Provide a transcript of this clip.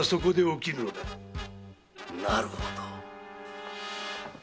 なるほど！